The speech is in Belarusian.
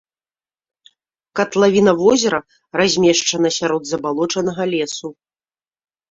Катлавіна возера размешчана сярод забалочанага лесу.